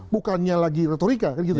bukannya lagi retorika